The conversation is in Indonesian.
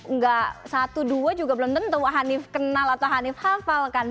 nggak satu dua juga belum tentu hanif kenal atau hanif hafal kan